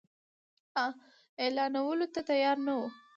اعلانولو ته تیار نه وو.